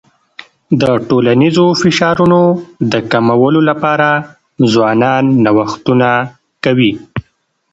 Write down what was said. د ټولنیزو فشارونو د کمولو لپاره ځوانان نوښتونه کوي.